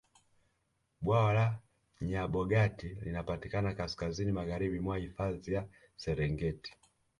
bwawa la nyabogati linapatikana kaskazini magharibi mwa hifadhi ya serengeti